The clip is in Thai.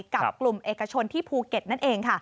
กับกลุ่มเอกสารสิทธิ์ที่ภูเก็ตนั่นเอง